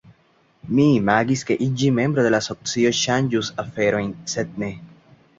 Mi imagis, ke iĝi membro de la asocio ŝanĝus aferojn, sed ne.